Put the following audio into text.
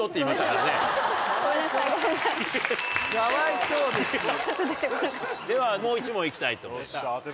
・かわいそう・ではもう１問いきたいと思います。